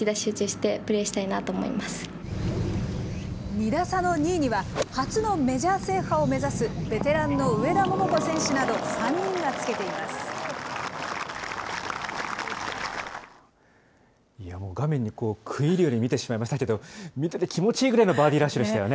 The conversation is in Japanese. ２打差の２位には、初のメジャー制覇を目指す、ベテランの上田桃子選手など、いや、もう画面に食い入るように見てしまいましたけど、見てて気持ちいいぐらいのバーディーラッシュでしたよね。